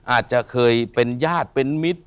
อาจจะเคยเป็นญาติเป็นมิตร